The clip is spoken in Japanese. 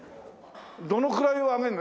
どのくらいを上げるの？